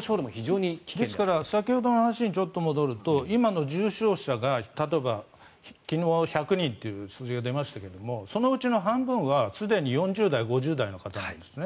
先ほどの話に戻ると今の重症者が例えば、昨日１００人という数字が出ましたけどそのうちの半分は、すでに４０代、５０代の方なんですね。